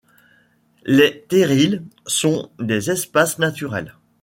Les terrils sont des espaces naturels.